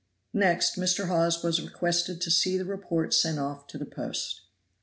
Next, Mr. Hawes was requested to see the report sent off to the post.